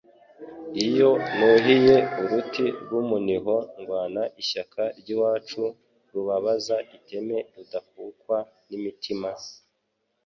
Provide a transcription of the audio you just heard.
iyo nuhiye uruti rw'umuniho ndwana ishyaka ry'iwacu, Rubabaza iteme Rudakukwa n'imitima,